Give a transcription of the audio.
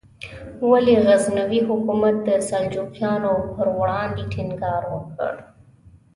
ولې غزنوي حکومت د سلجوقیانو پر وړاندې ټینګار ونکړ؟